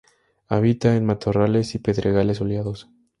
Habita en matorrales y pedregales soleados.